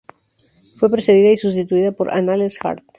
Fue precedida y sustituida por "Anales Jard.